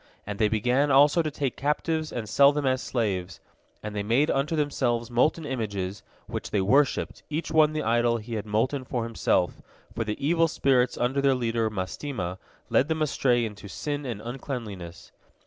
And they began also to take captives and sell them as slaves. And they made unto themselves molten images, which they worshipped, each one the idol he had molten for himself, for the evil spirits under their leader Mastema led them astray into sin and uncleanness.